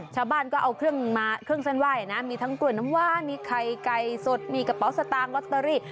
ชาวบ้านก็เอาเครื่องมาเครื่องเส้นไหว้นะมีทั้งกล้วยน้ำว้ามีไข่ไก่สดมีกระเป๋าสตางค์ลอตเตอรี่